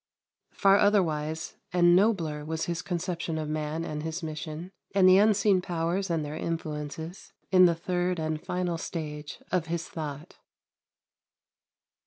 Far otherwise and nobler was his conception of man and his mission, and the unseen powers and their influences, in the third and final stage of his thought.